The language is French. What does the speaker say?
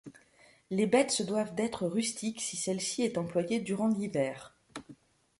Les bêtes se doivent d'être rustiques si celle-ci est employée durant l'hiver.